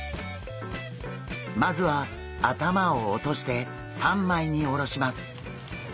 まずは頭を落として三枚におろします。